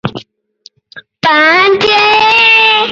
Egan died at his home in Watsons Bay, New South Wales.